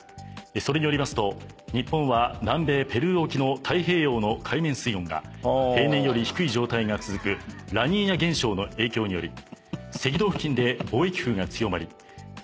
それによりますと日本は南米ペルー沖の太平洋の海面水温が平年より低い状態が続くラニーニャ現象の影響により赤道付近で貿易風が強まり海水温が上昇。